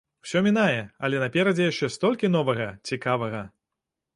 Усё мінае, але наперадзе яшчэ столькі новага, цікавага.